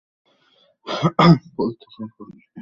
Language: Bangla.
বলতে চাই, পুরুষদের।